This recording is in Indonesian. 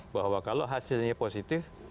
bahwa kalau hasilnya positif